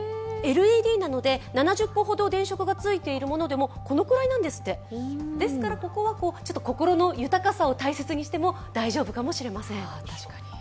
ＬＥＤなので、７０個ほど電飾がついているものでもこのくらいなんですって、ここは心の豊かさを大切にしても大丈夫かもしれません。